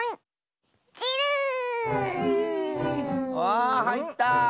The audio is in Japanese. わあはいった！